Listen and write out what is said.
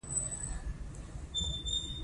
دوی د سيل لپاره د سيند په غاړه تم شوي وو.